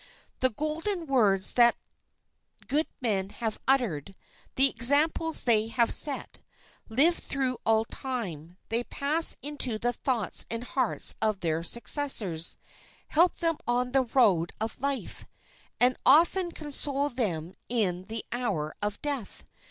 The golden words that good men have uttered, the examples they have set, live through all time; they pass into the thoughts and hearts of their successors, help them on the road of life, and often console them in the hour of death.